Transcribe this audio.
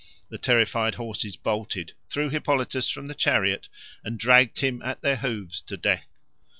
The terrified horses bolted, threw Hippolytus from the chariot, and dragged him at their hoofs to death.